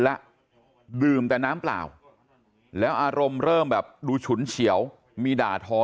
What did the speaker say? แล้วดื่มแต่น้ำเปล่าแล้วอารมณ์เริ่มแบบดูฉุนเฉียวมีด่าทอ